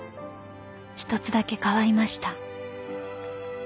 一つだけ変わりました］